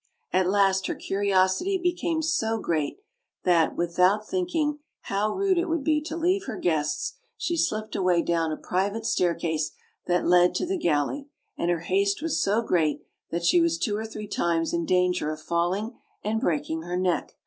At last her curiosity became so great that, without thinking how rude it would be to leave her guests, she slipped away down a private staircase that led to the gal lery, and her haste was so great that she was two or three times in danger of falling and breaking her neck.